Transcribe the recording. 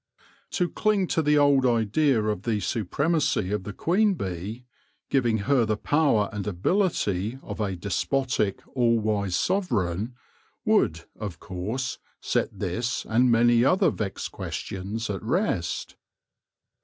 To cling to the old idea of the supremacy of the queen bee, giving her the power and ability of a despotic, all wise sovereign, would, of course, set this and many other vexed questions at rest.